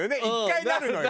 １回なるのよ。